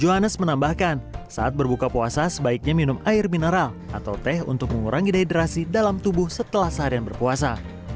johannes menambahkan saat berbuka puasa sebaiknya minum air mineral atau teh untuk mengurangi dehidrasi dalam tubuh setelah seharian berpuasa